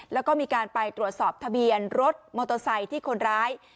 แล้วก็มีการไปตรวจสอบทะเบียนรถมอเตอร์ไซค์ที่คนร้าย